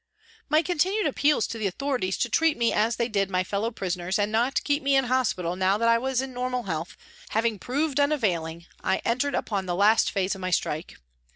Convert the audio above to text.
My continued appeals to the authorities to treat me as they did my fellow prisoners and not keep me in hospital now that I was in normal health, having proved unavailing, I entered upon the last phase of my strike.